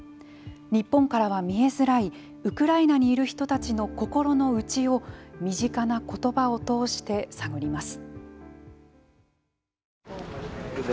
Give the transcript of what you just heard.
日本からは見えづらいウクライナにいる人たちの心の内を身近な言葉を通して探ります。